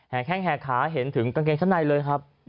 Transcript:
แข้งแห่ขาเห็นถึงกางเกงชั้นในเลยครับ